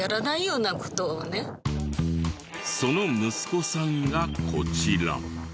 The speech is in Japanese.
その息子さんがこちら。